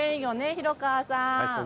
廣川さん。